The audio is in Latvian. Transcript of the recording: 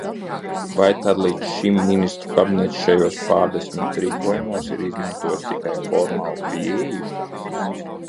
Vai tad līdz šim Ministru kabinets šajos pārdesmit rīkojumos ir izmantojis tikai formālu pieeju?